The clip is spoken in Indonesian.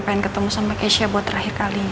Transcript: pengen ketemu sama keisha buat terakhir kali